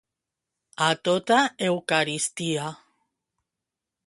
A tota eucaristia.